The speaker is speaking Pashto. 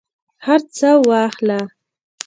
هرڅه واخله